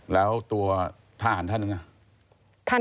แล้วตัวทาหันท่านอย่างไร